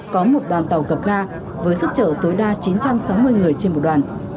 có một đoàn tàu cập ga với sức trở tối đa chín trăm sáu mươi người trên một đoàn